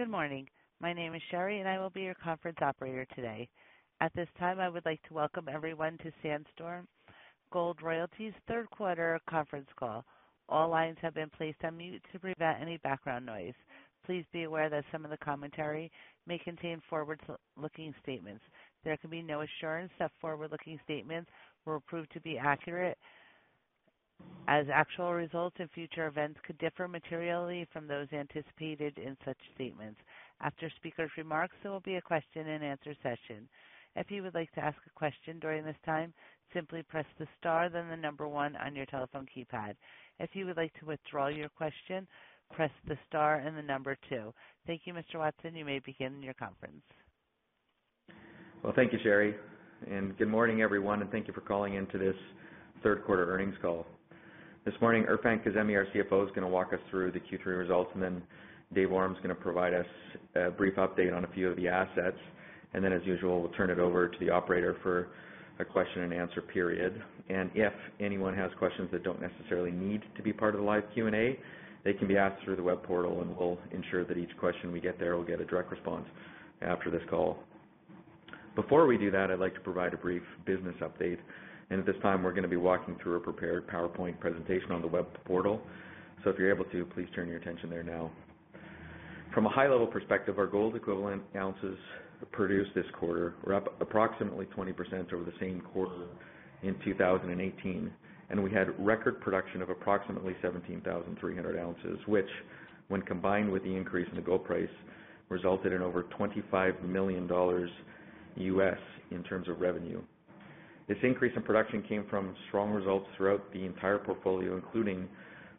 Good morning. My name is Sherry, and I will be your conference operator today. At this time, I would like to welcome everyone to Sandstorm Gold Royalties third quarter conference call. All lines have been placed on mute to prevent any background noise. Please be aware that some of the commentary may contain forward-looking statements. There can be no assurance that forward-looking statements will prove to be accurate, as actual results in future events could differ materially from those anticipated in such statements. After speakers' remarks, there will be a question and answer session. If you would like to ask a question during this time, simply press the star, then the number one on your telephone keypad. If you would like to withdraw your question, press the star and the number two. Thank you, Mr. Watson, you may begin your conference. Well, thank you, Sherry. Good morning, everyone. Thank you for calling in to this third quarter earnings call. This morning, Erfan Kazemi, our CFO, is going to walk us through the Q3 results. Dave Awram's going to provide us a brief update on a few of the assets. As usual, we'll turn it over to the operator for a question and answer period. If anyone has questions that don't necessarily need to be part of the live Q&A, they can be asked through the web portal. We'll ensure that each question we get there will get a direct response after this call. Before we do that, I'd like to provide a brief business update. At this time, we're going to be walking through a prepared PowerPoint presentation on the web portal. If you're able to, please turn your attention there now. From a high level perspective, our gold equivalent ounces produced this quarter were up approximately 20% over the same quarter in 2018. We had record production of approximately 17,300 ounces, which, when combined with the increase in the gold price, resulted in over $25 million in terms of revenue. This increase in production came from strong results throughout the entire portfolio, including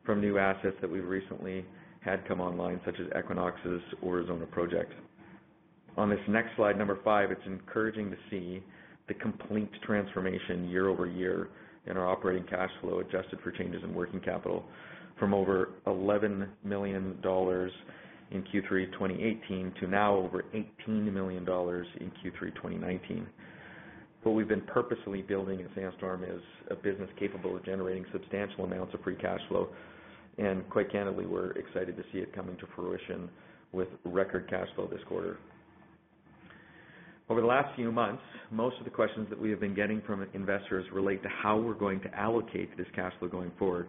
from new assets that we've recently had come online, such as Equinox's Aurizona project. On this next slide, number five, it's encouraging to see the complete transformation year-over-year in our operating cash flow adjusted for changes in working capital from over $11 million in Q3 2018 to now over $18 million in Q3 2019. What we've been purposefully building in Sandstorm is a business capable of generating substantial amounts of free cash flow. Quite candidly, we're excited to see it coming to fruition with record cash flow this quarter. Over the last few months, most of the questions that we have been getting from investors relate to how we're going to allocate this cash flow going forward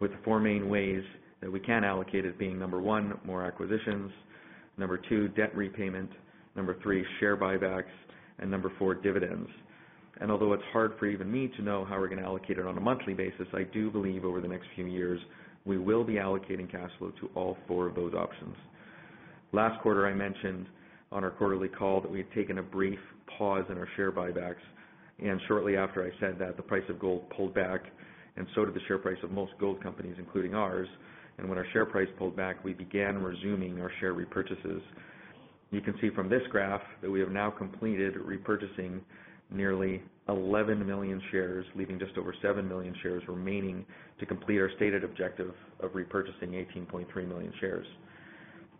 with the four main ways that we can allocate it being, number one, more acquisitions, number two, debt repayment, number three, share buybacks, and number four, dividends. Although it's hard for even me to know how we're going to allocate it on a monthly basis, I do believe over the next few years, we will be allocating cash flow to all four of those options. Last quarter, I mentioned on our quarterly call that we had taken a brief pause in our share buybacks. Shortly after I said that, the price of gold pulled back, and so did the share price of most gold companies, including ours. When our share price pulled back, we began resuming our share repurchases. You can see from this graph that we have now completed repurchasing nearly 11 million shares, leaving just over seven million shares remaining to complete our stated objective of repurchasing 18.3 million shares.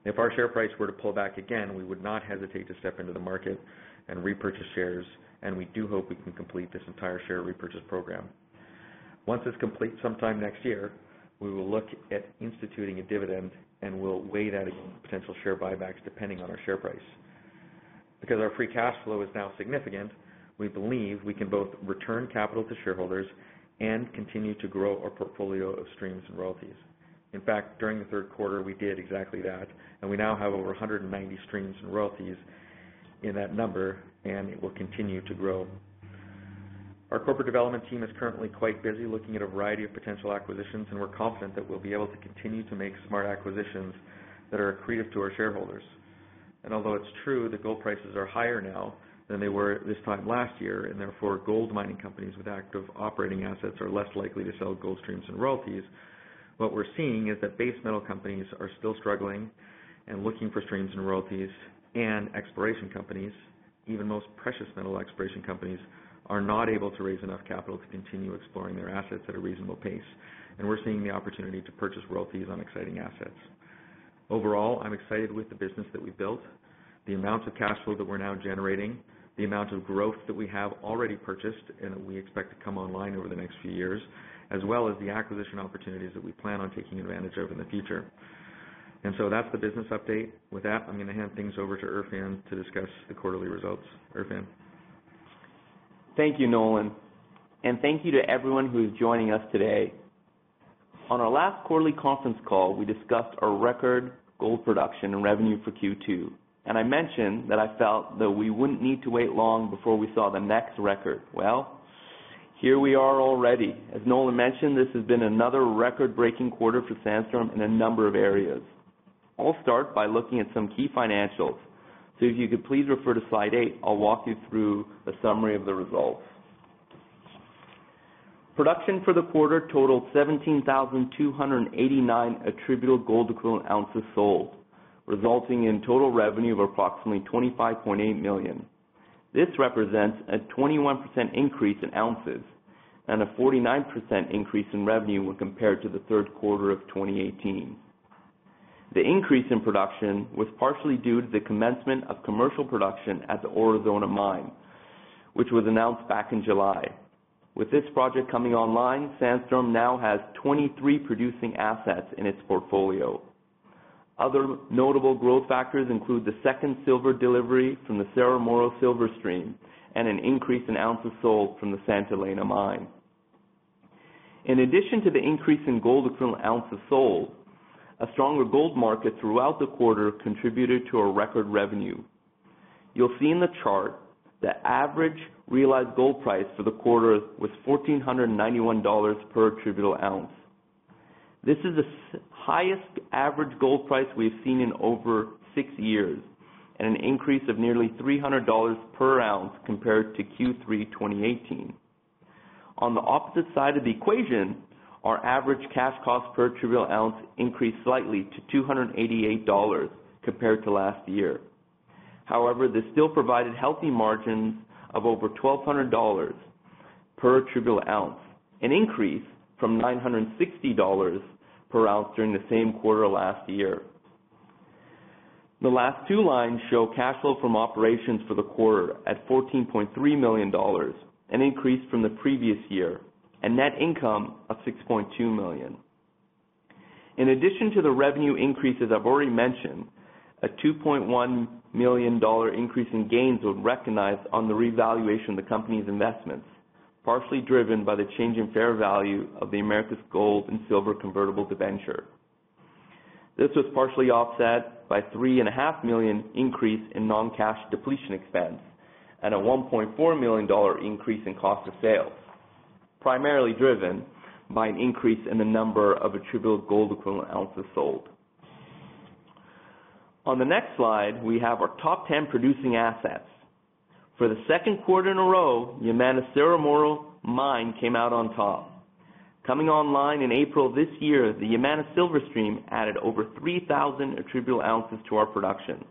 If our share price were to pull back again, we would not hesitate to step into the market and repurchase shares, and we do hope we can complete this entire share repurchase program. Once it's complete sometime next year, we will look at instituting a dividend, and we'll weigh that against potential share buybacks depending on our share price. Because our free cash flow is now significant, we believe we can both return capital to shareholders and continue to grow our portfolio of streams and royalties. In fact, during the third quarter, we did exactly that, and we now have over 190 streams and royalties in that number, and it will continue to grow. Our corporate development team is currently quite busy looking at a variety of potential acquisitions, and we're confident that we'll be able to continue to make smart acquisitions that are accretive to our shareholders. Although it's true that gold prices are higher now than they were at this time last year, and therefore gold mining companies with active operating assets are less likely to sell gold streams and royalties, what we're seeing is that base metal companies are still struggling and looking for streams and royalties and exploration companies. Even most precious metal exploration companies are not able to raise enough capital to continue exploring their assets at a reasonable pace. We're seeing the opportunity to purchase royalties on exciting assets. Overall, I'm excited with the business that we've built, the amount of cash flow that we're now generating, the amount of growth that we have already purchased and that we expect to come online over the next few years, as well as the acquisition opportunities that we plan on taking advantage of in the future. That's the business update. With that, I'm going to hand things over to Erfan to discuss the quarterly results. Erfan. Thank you, Nolan. Thank you to everyone who is joining us today. On our last quarterly conference call, we discussed our record gold production and revenue for Q2, and I mentioned that I felt that we wouldn't need to wait long before we saw the next record. Here we are already. As Nolan mentioned, this has been another record-breaking quarter for Sandstorm in a number of areas. I'll start by looking at some key financials. If you could please refer to slide eight, I'll walk you through a summary of the results. Production for the quarter totaled 17,289 attributable gold equivalent ounces sold, resulting in total revenue of approximately $25.8 million. This represents a 21% increase in ounces and a 49% increase in revenue when compared to the third quarter of 2018. The increase in production was partially due to the commencement of commercial production at the Aurizona mine, which was announced back in July. With this project coming online, Sandstorm now has 23 producing assets in its portfolio. Other notable growth factors include the second silver delivery from the Cerro Moro Silver Stream, and an increase in ounces sold from the Santa Elena mine. In addition to the increase in gold equivalent ounces sold, a stronger gold market throughout the quarter contributed to our record revenue. You'll see in the chart the average realized gold price for the quarter was $1,491 per attributable ounce. This is the highest average gold price we've seen in over six years, and an increase of nearly $300 per ounce compared to Q3 2018. On the opposite side of the equation, our average cash cost per attributable ounce increased slightly to $288 compared to last year. However, this still provided healthy margins of over $1,200 per attributable ounce, an increase from $960 per ounce during the same quarter last year. The last two lines show cash flow from operations for the quarter at $14.3 million, an increase from the previous year, and net income of $6.2 million. In addition to the revenue increases I've already mentioned, a $2.1 million increase in gains were recognized on the revaluation of the company's investments, partially driven by the change in fair value of the Americas Gold and Silver convertible debenture. This was partially offset by a $3.5 million increase in non-cash depletion expense, and a $1.4 million increase in cost of sales, primarily driven by an increase in the number of attributable gold equivalent ounces sold. On the next slide, we have our top 10 producing assets. For the second quarter in a row, Yamana Cerro Moro mine came out on top. Coming online in April this year, the Yamana Silver Stream added over 3,000 attributable ounces to our production.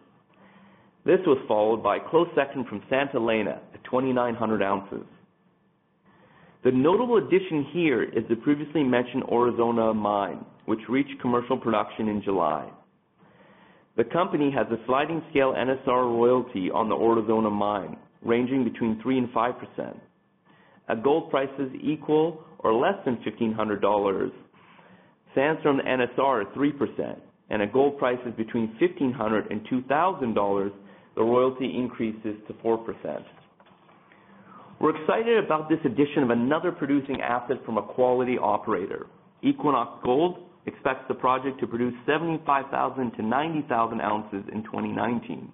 This was followed by a close second from Santa Elena at 2,900 ounces. The notable addition here is the previously mentioned Aurizona mine, which reached commercial production in July. The company has a sliding scale NSR royalty on the Aurizona mine, ranging between 3% and 5%. At gold prices equal or less than $1,500, Sandstorm NSR is 3%, and at gold prices between $1,500 and $2,000, the royalty increases to 4%. We're excited about this addition of another producing asset from a quality operator. Equinox Gold expects the project to produce 75,000 to 90,000 ounces in 2019.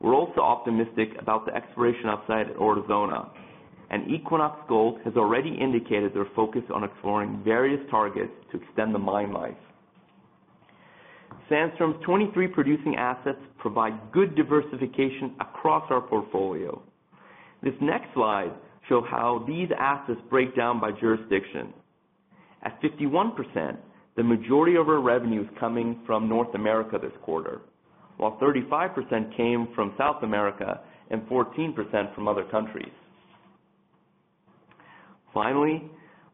We're also optimistic about the exploration outside Aurizona, and Equinox Gold has already indicated their focus on exploring various targets to extend the mine life. Sandstorm's 23 producing assets provide good diversification across our portfolio. This next slide shows how these assets break down by jurisdiction. At 51%, the majority of our revenue is coming from North America this quarter, while 35% came from South America and 14% from other countries. Finally,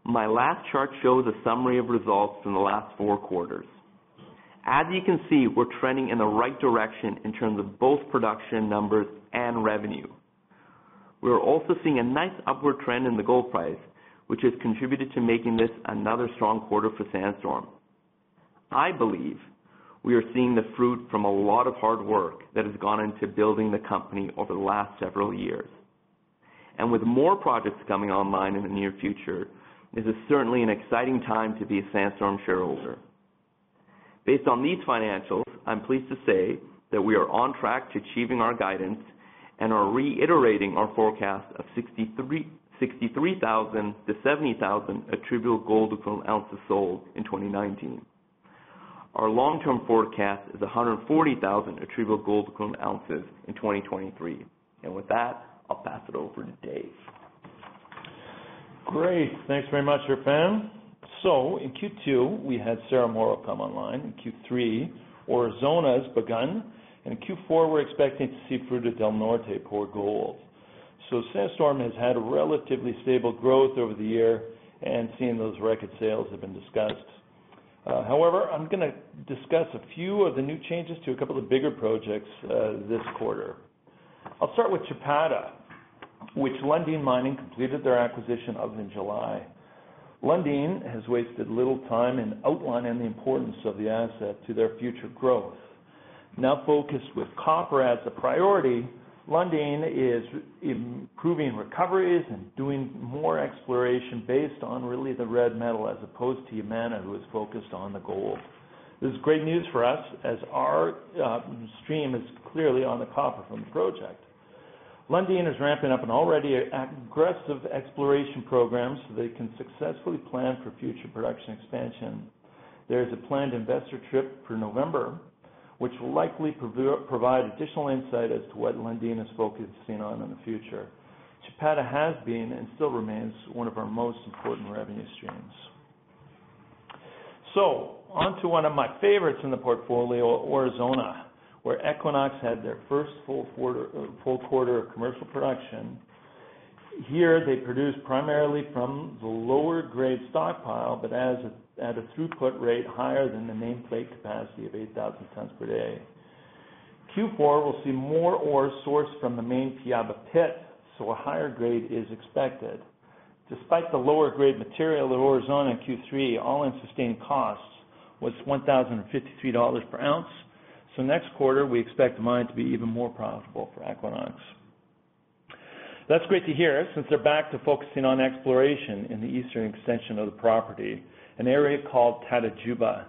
my last chart shows a summary of results from the last four quarters. As you can see, we're trending in the right direction in terms of both production numbers and revenue. We're also seeing a nice upward trend in the gold price, which has contributed to making this another strong quarter for Sandstorm. I believe we are seeing the fruit from a lot of hard work that has gone into building the company over the last several years. With more projects coming online in the near future, this is certainly an exciting time to be a Sandstorm shareholder. Based on these financials, I'm pleased to say that we are on track to achieving our guidance and are reiterating our forecast of 63,000-70,000 attributable gold equivalent ounces sold in 2019. Our long-term forecast is 140,000 attributable gold equivalent ounces in 2023. With that, I'll pass it over to Dave. Great. Thanks very much, Erfan. In Q2, we had Cerro Moro come online. In Q3, Aurizona has begun, and in Q4, we're expecting to see Fruta del Norte pour gold. Sandstorm has had a relatively stable growth over the year and seeing those record sales have been discussed. However, I'm going to discuss a few of the new changes to a couple of bigger projects this quarter. I'll start with Chapada, which Lundin Mining completed their acquisition of in July. Lundin has wasted little time in outlining the importance of the asset to their future growth. Now focused with copper as a priority, Lundin is improving recoveries and doing more exploration based on really the red metal as opposed to Yamana, who is focused on the gold. This is great news for us as our stream is clearly on the copper from the project. Lundin is ramping up an already aggressive exploration program so they can successfully plan for future production expansion. There is a planned investor trip for November, which will likely provide additional insight as to what Lundin is focusing on in the future. Chapada has been and still remains one of our most important revenue streams. Onto one of my favorites in the portfolio, Aurizona, where Equinox had their first full quarter of commercial production. Here they produce primarily from the lower grade stockpile, but at a throughput rate higher than the nameplate capacity of 8,000 tons per day. Q4 will see more ore sourced from the main Piaba pit, so a higher grade is expected. Despite the lower grade material at Aurizona in Q3, all-in sustaining costs was $1,053 per ounce. Next quarter we expect the mine to be even more profitable for Equinox. That's great to hear since they're back to focusing on exploration in the eastern extension of the property, an area called Tatajuba.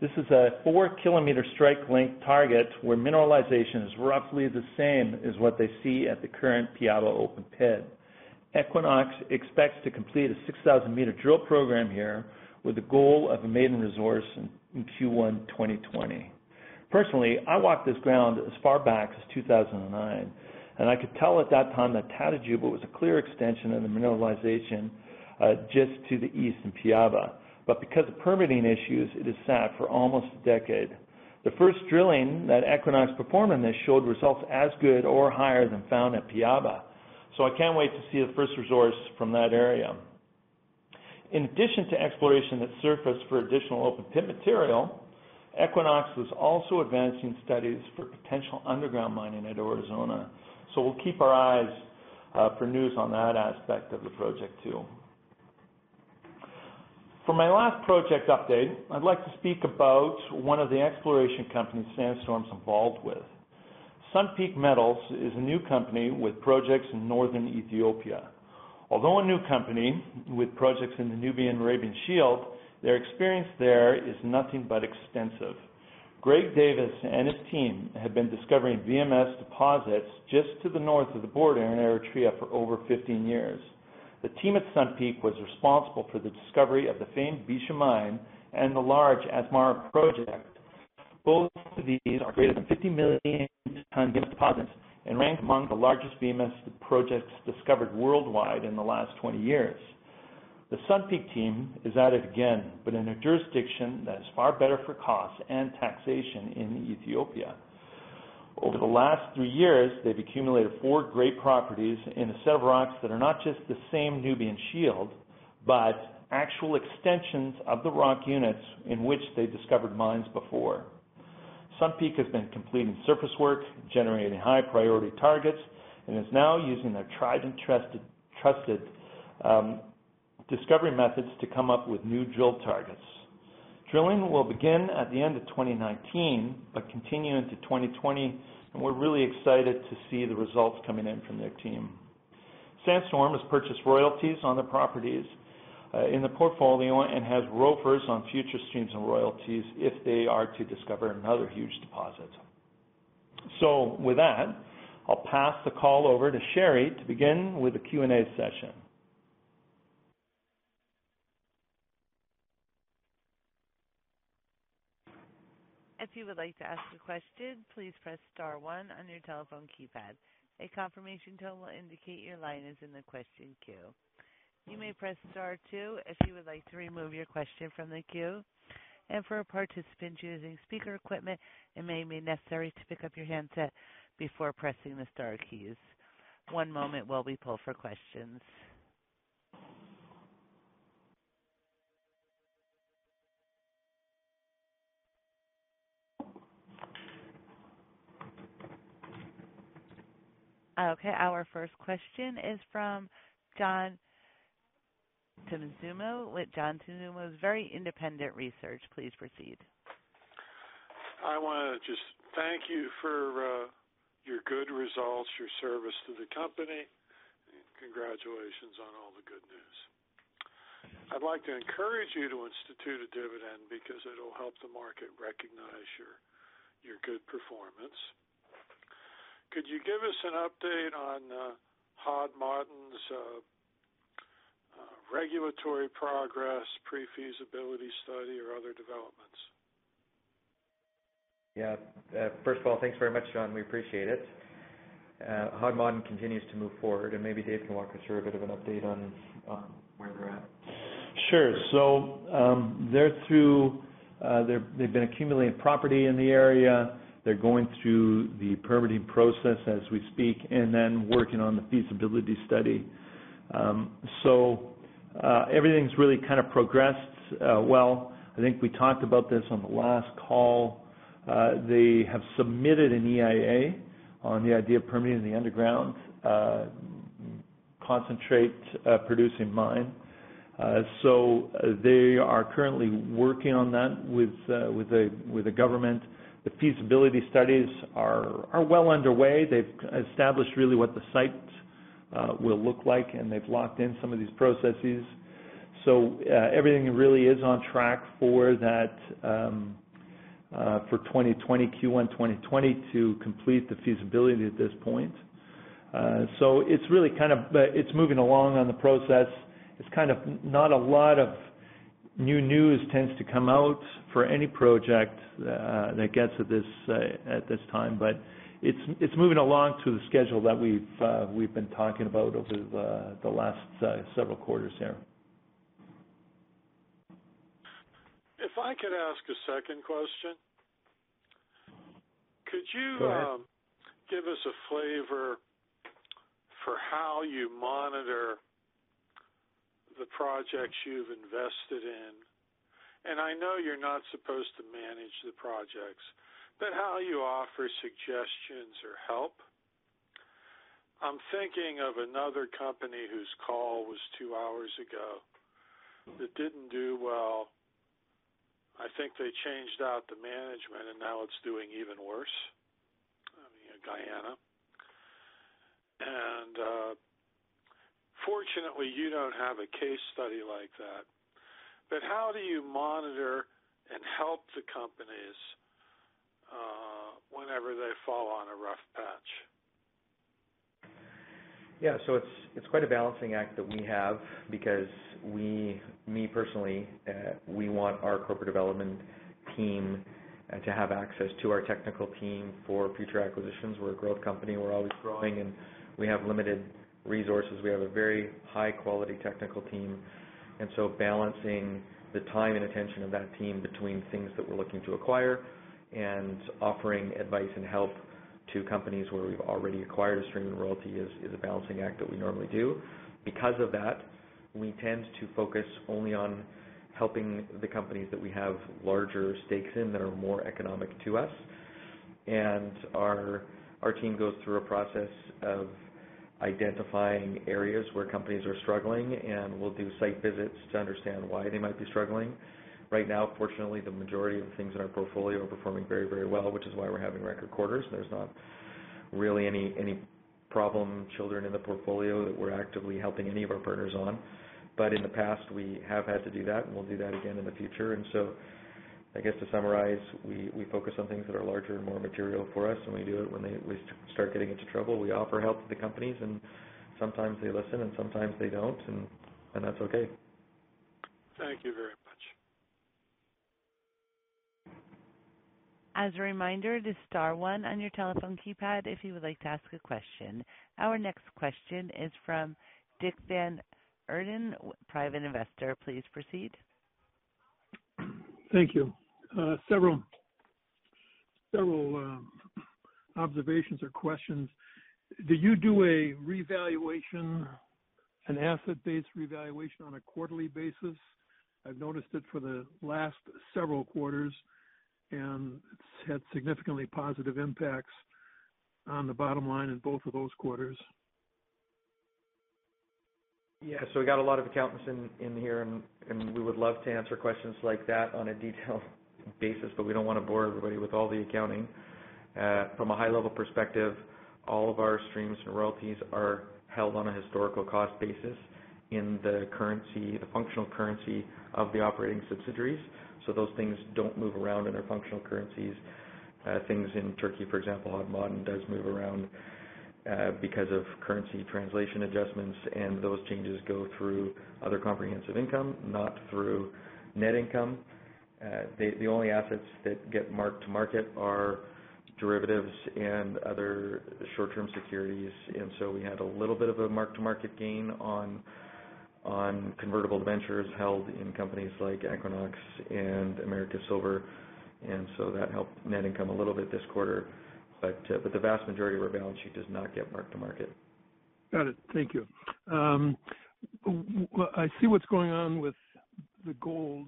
This is a four-kilometer strike length target where mineralization is roughly the same as what they see at the current Piaba open pit. Equinox expects to complete a 6,000-meter drill program here with the goal of a maiden resource in Q1 2020. Personally, I walked this ground as far back as 2009, and I could tell at that time that Tatajuba was a clear extension of the mineralization just to the east in Piaba. Because of permitting issues, it has sat for almost a decade. The first drilling that Equinox performed on this showed results as good or higher than found at Piaba. I can't wait to see the first resource from that area. In addition to exploration at surface for additional open pit material, Equinox was also advancing studies for potential underground mining at Aurizona. We'll keep our eyes for news on that aspect of the project, too. For my last project update, I'd like to speak about one of the exploration companies Sandstorm's involved with. Sun Peak Metals is a new company with projects in northern Ethiopia. Although a new company with projects in the Nubian-Arabian Shield, their experience there is nothing but extensive. Greg Davis and his team have been discovering VMS deposits just to the north of the border in Eritrea for over 15 years. The team at Sun Peak was responsible for the discovery of the famed Bisha mine and the large Asmara project. Both of these are greater than 50 million ton VMS deposits and rank among the largest VMS projects discovered worldwide in the last 20 years. The Sun Peak team is at it again, but in a jurisdiction that is far better for cost and taxation in Ethiopia. Over the last three years, they've accumulated four great properties in a set of rocks that are not just the same Nubian Shield, but actual extensions of the rock units in which they discovered mines before. Sun Peak has been completing surface work, generating high priority targets, and is now using their tried and trusted discovery methods to come up with new drill targets. Drilling will begin at the end of 2019 but continue into 2020, and we're really excited to see the results coming in from their team. Sandstorm has purchased royalties on the properties in the portfolio and has ROFRs on future streams and royalties if they are to discover another huge deposit. With that, I'll pass the call over to Sherry to begin with the Q&A session. If you would like to ask a question, please press star one on your telephone keypad. A confirmation tone will indicate your line is in the question queue. You may press star two if you would like to remove your question from the queue. For a participant using speaker equipment, it may be necessary to pick up your handset before pressing the star keys. One moment while we poll for questions. Okay, our first question is from John Tumazos with John Tumazos Very Independent Research. Please proceed. I want to just thank you for your good results, your service to the company, and congratulations on all the good news. I'd like to encourage you to institute a dividend because it'll help the market recognize your good performance. Could you give us an update on Hod Maden's regulatory progress, pre-feasibility study, or other developments? Yeah. First of all, thanks very much, John. We appreciate it. Hod Maden continues to move forward, and maybe Dave can walk us through a bit of an update on where they're at. Sure. They've been accumulating property in the area. They're going through the permitting process as we speak and then working on the feasibility study. Everything's really progressed well. I think we talked about this on the last call. They have submitted an EIA on the idea of permitting the underground concentrate producing mine. They are currently working on that with the government. The feasibility studies are well underway. They've established really what the site will look like, and they've locked in some of these processes. Everything really is on track for Q1 2020 to complete the feasibility at this point. It's moving along on the process. Not a lot of new news tends to come out for any project that gets at this time, but it's moving along to the schedule that we've been talking about over the last several quarters here. If I could ask a second question. Go ahead. Could you give us a flavor for how you monitor the projects you've invested in? I know you're not supposed to manage the projects, but how you offer suggestions or help. I'm thinking of another company whose call was two hours ago that didn't do well. I think they changed out the management, and now it's doing even worse. I mean, Guyana. Fortunately, you don't have a case study like that. How do you monitor and help the companies whenever they fall on a rough patch? Yeah. It's quite a balancing act that we have because we, me personally, we want our corporate development team to have access to our technical team for future acquisitions. We're a growth company, we're always growing, and we have limited resources. We have a very high-quality technical team. Balancing the time and attention of that team between things that we're looking to acquire and offering advice and help to companies where we've already acquired a stream and royalty is a balancing act that we normally do. Because of that, we tend to focus only on helping the companies that we have larger stakes in that are more economic to us. Our team goes through a process of identifying areas where companies are struggling, and we'll do site visits to understand why they might be struggling. Right now, fortunately, the majority of the things in our portfolio are performing very well, which is why we're having record quarters. There's not really any problem children in the portfolio that we're actively helping any of our partners on. In the past we have had to do that, and we'll do that again in the future. I guess to summarize, we focus on things that are larger and more material for us, and we do it when they at least start getting into trouble. We offer help to the companies, and sometimes they listen and sometimes they don't, and that's okay. Thank you very much. As a reminder, it is star one on your telephone keypad if you would like to ask a question. Our next question is from Richard Henry VanEerden, private investor. Please proceed. Thank you. Several observations or questions. Do you do an asset-based revaluation on a quarterly basis? I've noticed it for the last several quarters, and it's had significantly positive impacts on the bottom line in both of those quarters. Yeah. We got a lot of accountants in here, and we would love to answer questions like that on a detailed basis, but we don't want to bore everybody with all the accounting. From a high-level perspective, all of our streams and royalties are held on a historical cost basis in the functional currency of the operating subsidiaries. Those things don't move around in their functional currencies. Things in Turkey, for example, Hod Maden does move around, because of currency translation adjustments, and those changes go through other comprehensive income, not through net income. The only assets that get marked to market are derivatives and other short-term securities. We had a little bit of a mark-to-market gain on convertible debentures held in companies like Equinox and Americas Gold and Silver, that helped net income a little bit this quarter. The vast majority of our balance sheet does not get mark-to-market. Got it. Thank you. I see what's going on with the gold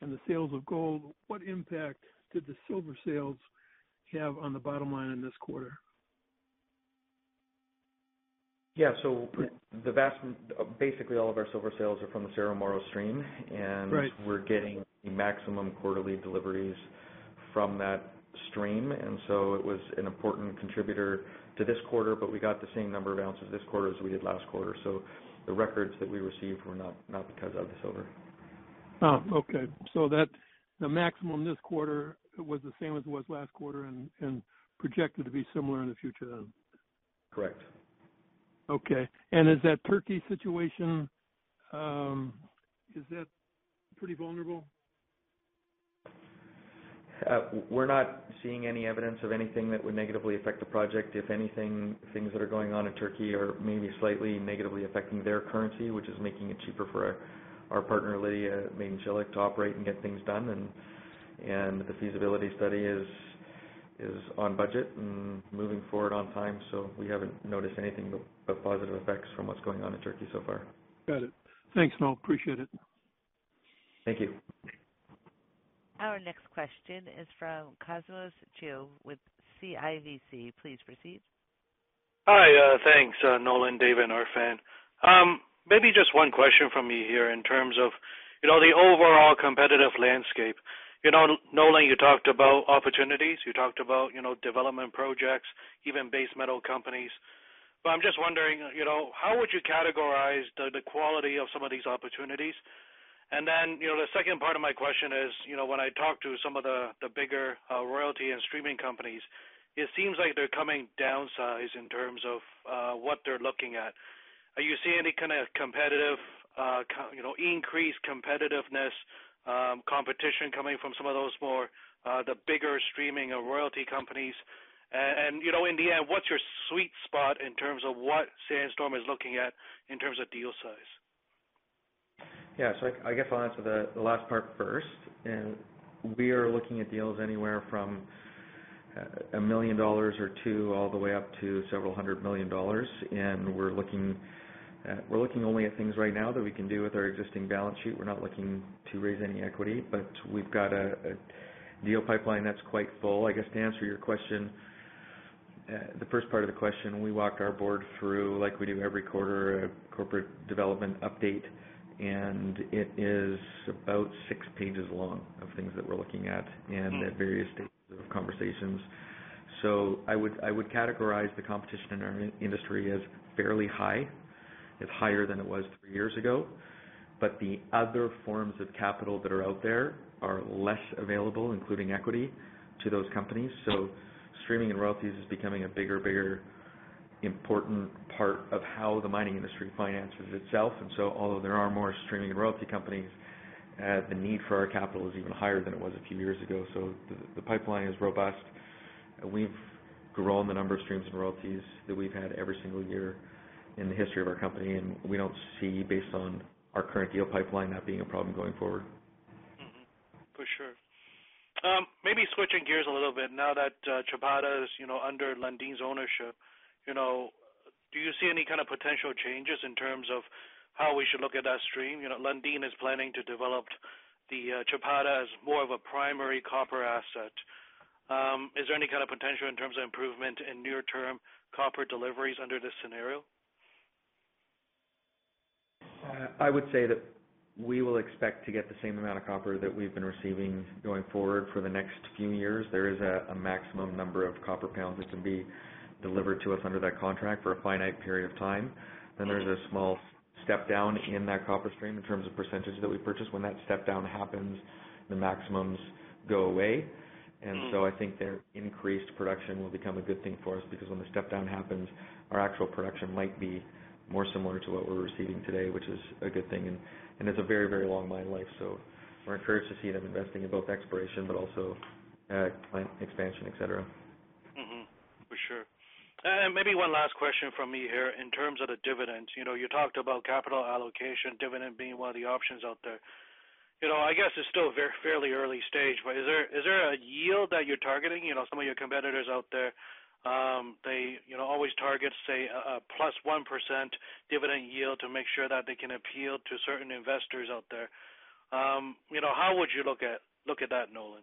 and the sales of gold. What impact did the silver sales have on the bottom line in this quarter? Yeah. Basically, all of our silver sales are from the Cerro Moro Stream. Right. We're getting the maximum quarterly deliveries from that stream, and so it was an important contributor to this quarter, but we got the same number of ounces this quarter as we did last quarter. The records that we received were not because of the silver. Oh, okay. The maximum this quarter was the same as it was last quarter and projected to be similar in the future, then? Correct. Okay. Is that Turkey situation pretty vulnerable? We're not seeing any evidence of anything that would negatively affect the project. If anything, things that are going on in Turkey are maybe slightly negatively affecting their currency, which is making it cheaper for our partner, Lidya Madencilik, to operate and get things done. The feasibility study is on budget and moving forward on time. We haven't noticed anything but positive effects from what's going on in Turkey so far. Got it. Thanks, Nolan. Appreciate it. Thank you. Our next question is from Cosmos Chiu with CIBC. Please proceed. Hi. Thanks, Nolan, Dave, and Irfan. Maybe just one question from me here in terms of the overall competitive landscape. Nolan, you talked about opportunities. You talked about development projects, even base metal companies. I'm just wondering, how would you categorize the quality of some of these opportunities? The second part of my question is, when I talk to some of the bigger royalty and streaming companies, it seems like they're coming downsize in terms of what they're looking at. Are you seeing any kind of increased competitiveness, competition coming from some of those more, the bigger streaming or royalty companies? In the end, what's your sweet spot in terms of what Sandstorm is looking at in terms of deal size? I guess I'll answer the last part first. We are looking at deals anywhere from $1 million or $2 all the way up to several hundred million dollars. We're looking only at things right now that we can do with our existing balance sheet. We're not looking to raise any equity, but we've got a deal pipeline that's quite full. I guess to answer your question, the first part of the question, we walked our board through, like we do every quarter, a corporate development update, and it is about six pages long of things that we're looking at and at various stages of conversations. I would categorize the competition in our industry as fairly high. It's higher than it was three years ago. The other forms of capital that are out there are less available, including equity to those companies. Streaming and royalties is becoming a bigger important part of how the mining industry finances itself. Although there are more streaming and royalty companies, the need for our capital is even higher than it was a few years ago. The pipeline is robust. We've grown the number of streams and royalties that we've had every single year in the history of our company, and we don't see, based on our current deal pipeline, that being a problem going forward. For sure. Maybe switching gears a little bit, now that Chapada is under Lundin's ownership, do you see any kind of potential changes in terms of how we should look at that stream? Lundin is planning to develop the Chapada as more of a primary copper asset. Is there any kind of potential in terms of improvement in near-term copper deliveries under this scenario? I would say that we will expect to get the same amount of copper that we've been receiving going forward for the next few years. There is a maximum number of copper pounds that can be delivered to us under that contract for a finite period of time. There's a small step down in that copper stream in terms of percentage that we purchase. When that step down happens, the maximums go away. I think their increased production will become a good thing for us, because when the step down happens, our actual production might be more similar to what we're receiving today, which is a good thing. It's a very long mine life. We're encouraged to see them investing in both exploration, but also plant expansion, et cetera. For sure. Maybe one last question from me here. In terms of the dividends, you talked about capital allocation, dividend being one of the options out there. I guess it's still fairly early stage, but is there a yield that you're targeting? Some of your competitors out there, they always target, say, a plus 1% dividend yield to make sure that they can appeal to certain investors out there. How would you look at that, Nolan?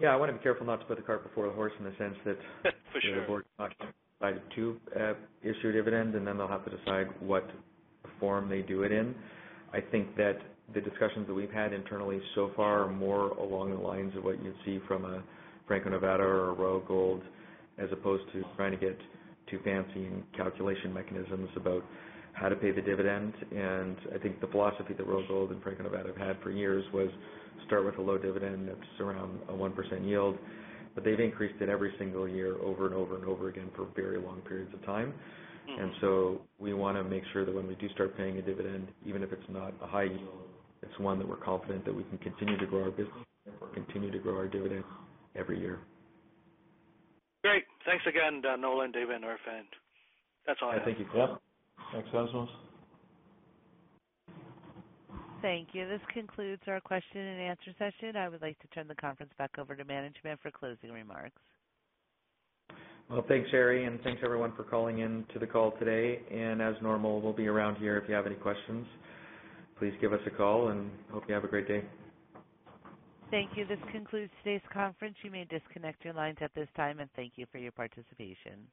Yeah, I want to be careful not to put the cart before the horse in the sense that. For sure. The board decided to issue a dividend, then they'll have to decide what form they do it in. I think that the discussions that we've had internally so far are more along the lines of what you'd see from a Franco-Nevada or a Royal Gold, as opposed to trying to get too fancy in calculation mechanisms about how to pay the dividend. I think the philosophy that Royal Gold and Franco-Nevada have had for years was start with a low dividend that's around a 1% yield, they've increased it every single year over and over and over again for very long periods of time. We want to make sure that when we do start paying a dividend, even if it's not a high yield, it's one that we're confident that we can continue to grow our business and continue to grow our dividend every year. Great. Thanks again, Nolan, David, and Erfan. That's all I have. Thank you. Yep. Thanks, Cosmos. Thank you. This concludes our question and answer session. I would like to turn the conference back over to management for closing remarks. Well, thanks, Sherry, and thanks everyone for calling in to the call today. As normal, we'll be around here if you have any questions. Please give us a call and hope you have a great day. Thank you. This concludes today's conference. You may disconnect your lines at this time and thank you for your participation.